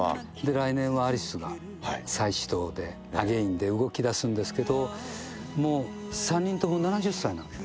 来年はアリスが再始動で、アゲインで動きだすんですけど、もう、３人とも７０歳なので。